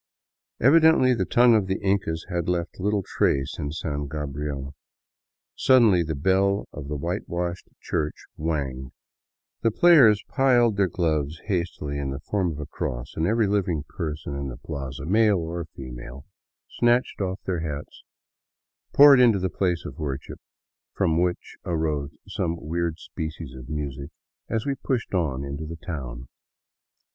Evidently the tongue of the Incas had left little trace in San Gabriel. Suddenly the bell of the whitewashed church whanged. The players piled their gloves " hastily in the form of a cross, and every living person in the 120 DOWN THE ANDES TO QUITO plaza, male or female, snatched off their hats and poured into the place of worship, from which arose some weird species of music as we pushed on into the town.